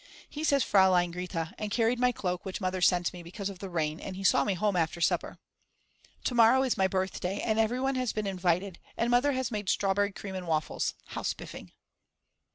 He says Fraulein Grete and carried my cloak which Mother sent me because of the rain and he saw me home after supper. To morrow is my birthday and everyone has been invited and Mother has made strawberry cream and waffles. How spiffing.